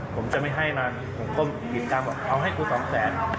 ผมจะไม่ให้มันผมก้มติดตามบอกเอาให้กูสองแสน